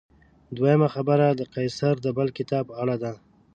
دویمه خبره د قیصر د بل کتاب په اړه ده.